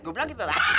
gua bilang gitu lah